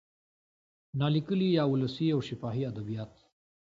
نا لیکلي یا ولسي او شفاهي ادبیات